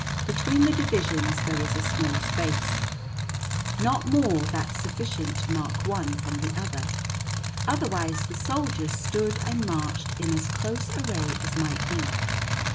Between the divisions there was a small space, not more that sufficient to mark one from the other: otherwise the soldiers stood and marched in as close array as might be.